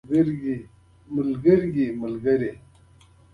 جاوید له جلان څخه زده کړه وکړه او بدل شو